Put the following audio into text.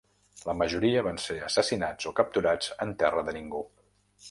La majoria van ser assassinats o capturats en terra de ningú.